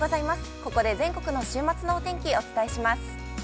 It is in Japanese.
ここで全国の週末のお天気お伝えします。